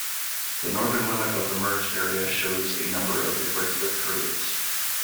The northern limit of the merged area shows a number of irregular curves.